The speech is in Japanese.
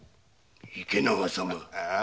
池永様。